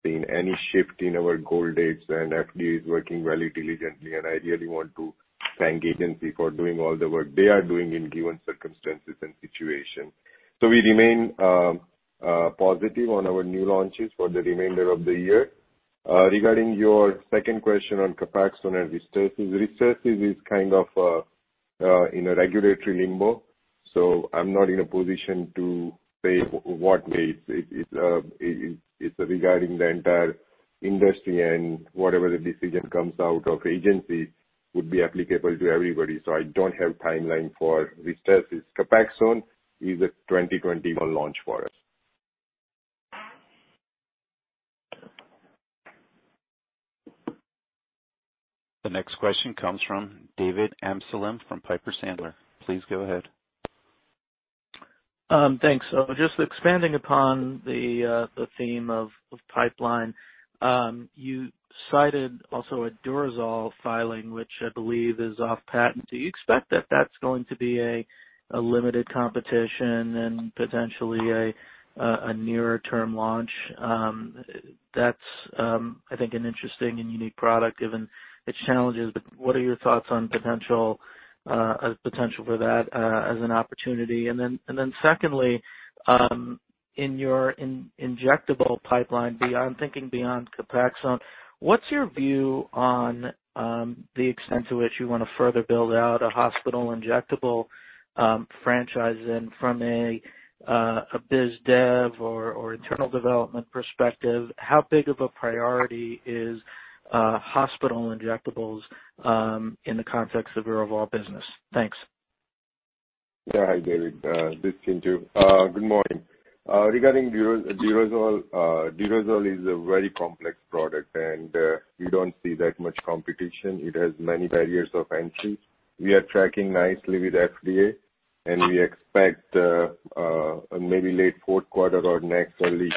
seen any shift in our goal dates, and FDA is working very diligently, and I really want to thank Agency for doing all the work they are doing in given circumstances and situation. We remain positive on our new launches for the remainder of the year. Regarding your second question on COPAXONE and RESTASIS. RESTASIS is kind of in a regulatory limbo, so I'm not in a position to say what may. It's regarding the entire industry and whatever the decision comes out of agencies would be applicable to everybody. I don't have timeline for RESTASIS. COPAXONE is a 2021 launch for us. The next question comes from David Amsellem from Piper Sandler. Please go ahead. Thanks. Just expanding upon the theme of pipeline. You cited also a Durezol filing, which I believe is off patent. Do you expect that that's going to be a limited competition and potentially a nearer term launch? That's, I think, an interesting and unique product given its challenges, but what are your thoughts on potential for that as an opportunity? Secondly, in your injectable pipeline, I'm thinking beyond COPAXONE, what's your view on the extent to which you want to further build out a hospital injectable franchise? From a biz dev or internal development perspective, how big of a priority is hospital injectables in the context of your overall business? Thanks. Yeah. Hi, David, this Chintu. Good morning. Regarding Durezol. Durezol is a very complex product, and we don't see that much competition. It has many barriers of entry. We are tracking nicely with FDA. We expect maybe late fourth quarter or next early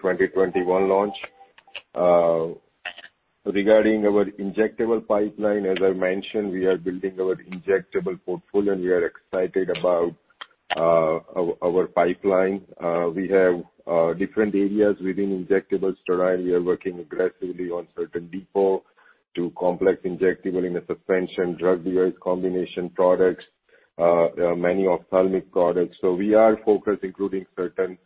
2021 launch. Regarding our injectable pipeline, as I mentioned, we are building our injectable portfolio. We are excited about our pipeline. We have different areas within injectable steroid. We are working aggressively on certain depot to complex injectable in a suspension drug device, combination products, many ophthalmic products. We are focused including certain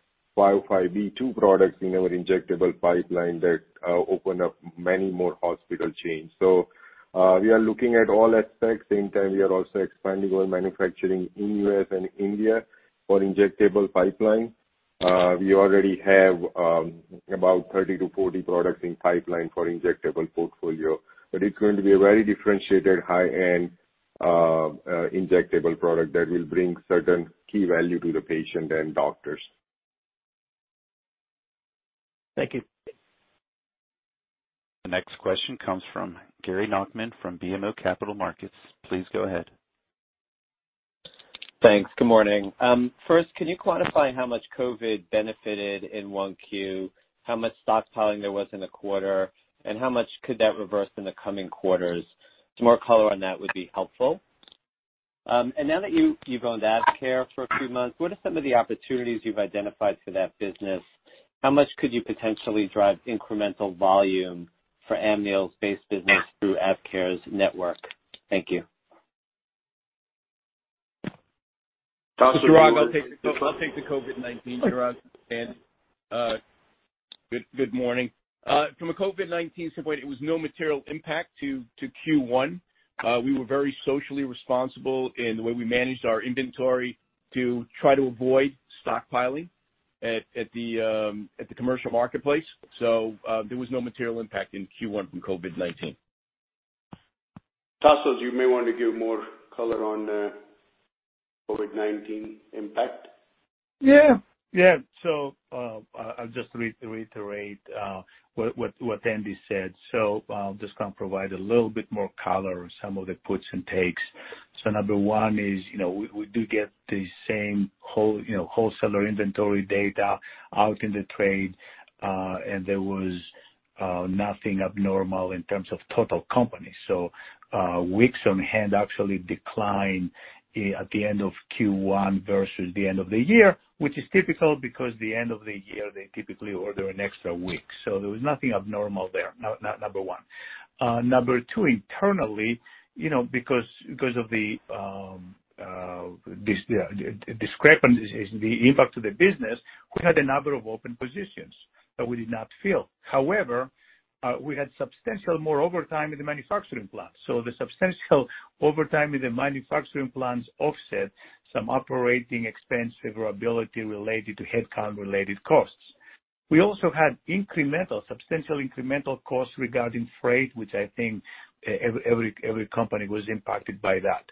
505 products in our injectable pipeline that open up many more hospital chains. We are looking at all aspects. Same time, we are also expanding our manufacturing in U.S. and India for injectable pipeline. We already have about 30-40 products in pipeline for injectable portfolio, but it's going to be a very differentiated high-end injectable product that will bring certain key value to the patient and doctors. Thank you. The next question comes from Gary Nachman from BMO Capital Markets. Please go ahead. Thanks. Good morning. First, can you quantify how much COVID benefited in 1Q, how much stockpiling there was in the quarter, and how much could that reverse in the coming quarters? Some more color on that would be helpful. Now that you've owned AvKARE for a few months, what are some of the opportunities you've identified for that business? How much could you potentially drive incremental volume for Amneal's base business through AvKARE's network? Thank you. Tasos, do you want to? I'll take the COVID-19, Chirag. Good morning. From a COVID-19 standpoint, it was no material impact to Q1. We were very socially responsible in the way we managed our inventory to try to avoid stockpiling at the commercial marketplace. There was no material impact in Q1 from COVID-19. Tasos, you may want to give more color on the COVID-19 impact. I'll just reiterate what Andy said. I'll just kind of provide a little bit more color on some of the puts and takes. Number one is, we do get the same wholesaler inventory data out in the trade, and there was nothing abnormal in terms of total company. Weeks on hand actually declined at the end of Q1 versus the end of the year, which is typical because the end of the year, they typically order an extra week. There was nothing abnormal there, number one. Number two, internally, because of the discrepancy in the impact to the business, we had a number of open positions that we did not fill. However, we had substantial more overtime in the manufacturing plant. The substantial overtime in the manufacturing plants offset some operating expense severability related to headcount related costs. We also had substantial incremental costs regarding freight, which I think every company was impacted by that.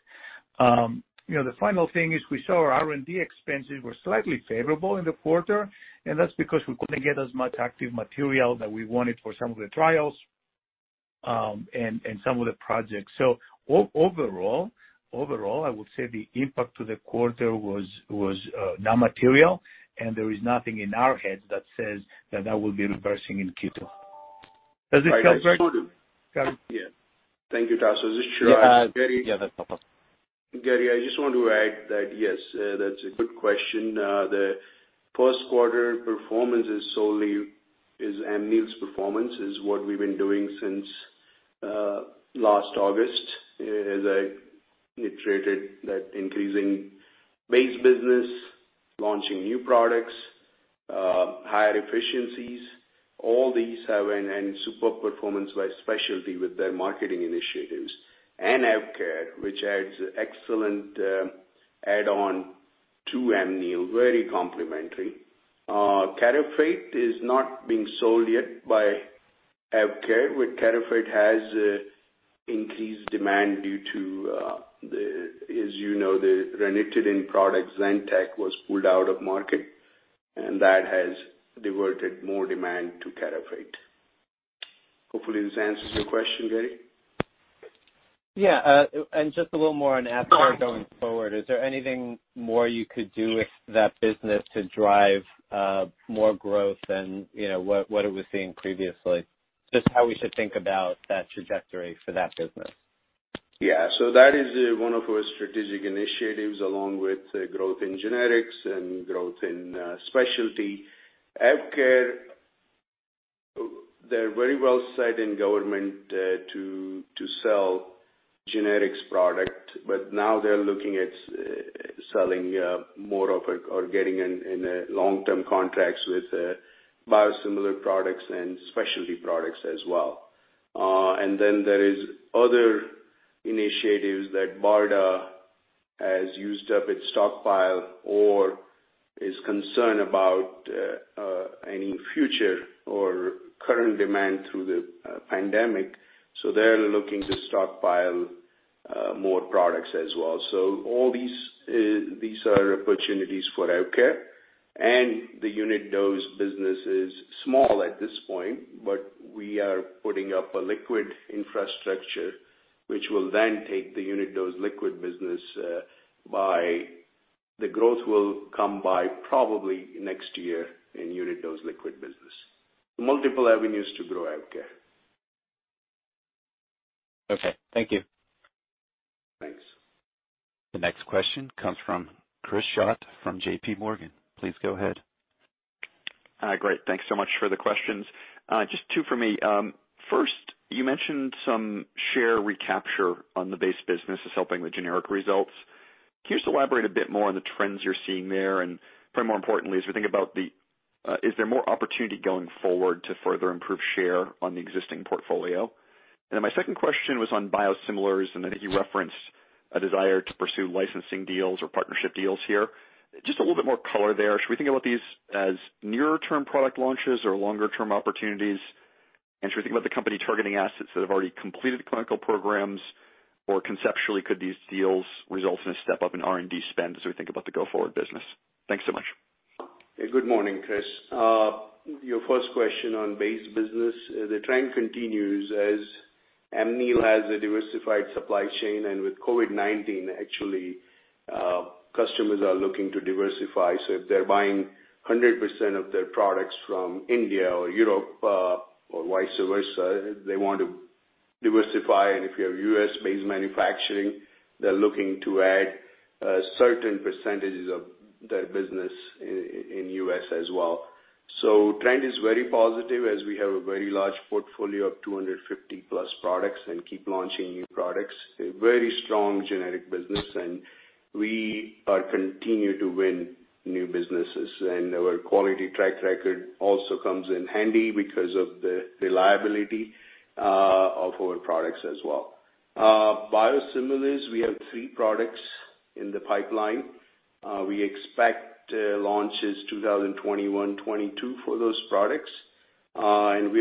The final thing is we saw our R&D expenses were slightly favorable in the quarter, and that's because we couldn't get as much active material that we wanted for some of the trials and some of the projects. Overall, I would say the impact to the quarter was non-material, and there is nothing in our heads that says that that will be reversing in Q2. Thank you, Tasos. Is this Chirag? Yeah, that's no problem. Gary, I just want to add that, yes, that's a good question. The first quarter performance is solely Amneal's performance, is what we've been doing since last August. As I reiterated, increasing base business, launching new products, higher efficiencies, all these have a super performance by specialty with their marketing initiatives. AvKARE, which adds excellent add-on to Amneal, very complementary. Carafate is not being sold yet by AvKARE. Carafate has increased demand due to, as you know, the ranitidine product Zantac was pulled out of market. That has diverted more demand to Carafate. Hopefully this answers your question, Gary. Yeah. Just a little more on AvKARE going forward, is there anything more you could do with that business to drive more growth than what it was seeing previously? Just how we should think about that trajectory for that business? That is one of our strategic initiatives, along with growth in generics and growth in specialty. AvKARE, they're very well set in government to sell generics product, but now they're looking at selling more of it or getting in long-term contracts with biosimilar products and specialty products as well. There is other initiatives that BARDA has used up its stockpile or is concerned about any future or current demand through the pandemic. They're looking to stockpile more products as well. All these are opportunities for AvKARE, and the unit-dose business is small at this point, but we are putting up a liquid infrastructure. The growth will come by probably next year in unit-dose liquid business. Multiple avenues to grow AvKARE. Okay. Thank you. Thanks. The next question comes from Chris Schott from JPMorgan. Please go ahead. Great. Thanks so much for the questions. Just two for me. First, you mentioned some share recapture on the base business is helping the generic results. Can you just elaborate a bit more on the trends you're seeing there? Probably more importantly, as we think about the, is there more opportunity going forward to further improve share on the existing portfolio? Then my second question was on biosimilars, and I think you referenced a desire to pursue licensing deals or partnership deals here. Just a little bit more color there. Should we think about these as nearer term product launches or longer term opportunities? Should we think about the company targeting assets that have already completed clinical programs? Conceptually, could these deals result in a step up in R&D spend as we think about the go-forward business? Thanks so much. Good morning, Chris. Your first question on base business, the trend continues as Amneal has a diversified supply chain, and with COVID-19, actually, customers are looking to diversify. If they're buying 100% of their products from India or Europe, or vice versa, they want to diversify. If you have U.S.-based manufacturing, they're looking to add certain percentages of their business in U.S. as well. Trend is very positive as we have a very large portfolio of 250+ products and keep launching new products. A very strong generic business, we are continue to win new businesses. Our quality track record also comes in handy because of the reliability of our products as well. Biosimilars, we have three products in the pipeline. We expect launches 2021, 2022 for those products. We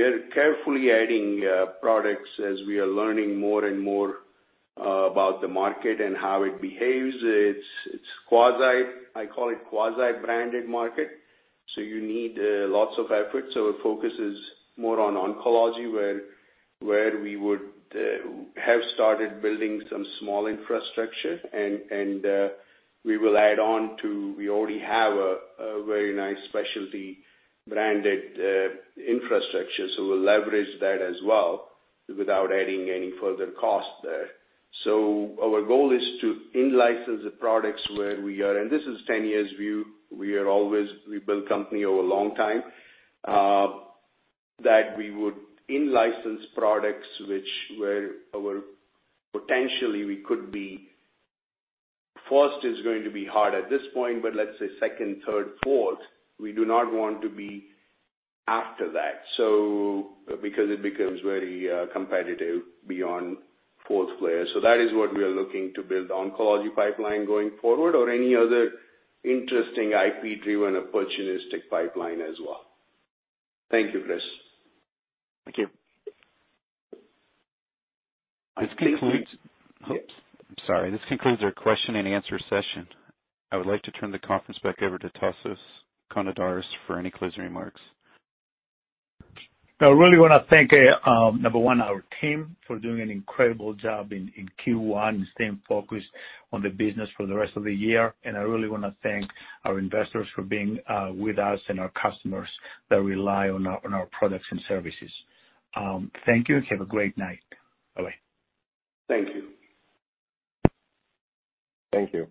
are carefully adding products as we are learning more and more about the market and how it behaves. I call it quasi-branded market. You need lots of effort. Our focus is more on oncology, where we would have started building some small infrastructure, and we will add on to, we already have a very nice specialty branded infrastructure, we'll leverage that as well without adding any further cost there. Our goal is to in-license the products where we are, and this is 10-year view. We build company over a long time, that we would in-license products which where potentially we could be, first is going to be hard at this point, but let's say second, third, fourth, we do not want to be after that. It becomes very competitive beyond fourth player. That is what we are looking to build oncology pipeline going forward or any other interesting IP-driven opportunistic pipeline as well. Thank you, Chris. Thank you. This concludes our question and answer session. I would like to turn the conference back over to Tasos Konidaris for any closing remarks. I really want to thank, number one, our team for doing an incredible job in Q1 and staying focused on the business for the rest of the year. I really want to thank our investors for being with us and our customers that rely on our products and services. Thank you and have a great night. Bye-bye. Thank you. Thank you.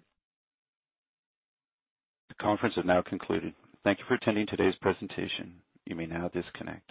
The conference has now concluded. Thank you for attending today's presentation. You may now disconnect.